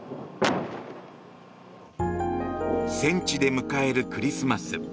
戦地で迎えるクリスマス。